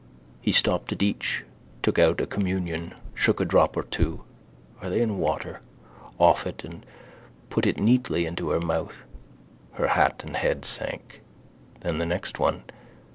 He stopped at each, took out a communion, shook a drop or two (are they in water?) off it and put it neatly into her mouth. Her hat and head sank. Then the next one.